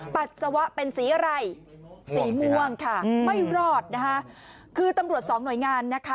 ปัสสาวะเป็นสีอะไรสีม่วงค่ะไม่รอดนะคะคือตำรวจสองหน่วยงานนะคะ